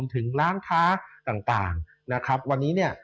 ถึงร้านค้าต่างนะครับวันนี้เนี่ย